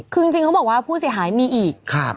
คือจริงเขาบอกว่าผู้เสียหายมีอีก